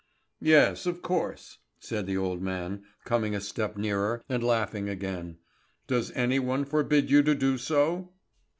"Yes, of course!" said the old man, coming a step nearer, and laughing again. "Does any one forbid you to do so?"